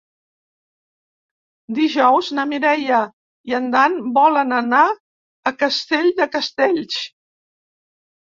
Dijous na Mireia i en Dan volen anar a Castell de Castells.